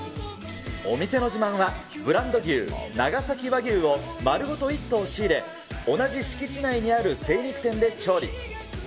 お店の自慢は、ブランド牛、長崎和牛をまるごと１頭仕入れ、同じ敷地内にある精肉店で調理。